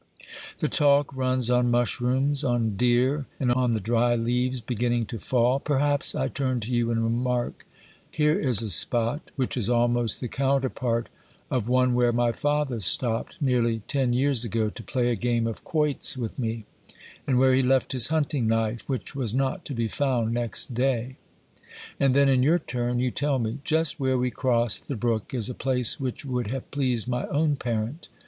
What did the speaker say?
The talk runs on mushrooms, on deer, and on the dry leaves beginning to fall. Perhaps I turn to. you and remark :" Here is a spot which is almost OBERMANN 15 the counterpart of one where my father stopped nearly ten years ago to play a game of quoits with me, and where he left his hunting knife, which was not to be found next day." And then in your turn you tell me :" Just where we crossed the brook is a place which would have pleased my own parent.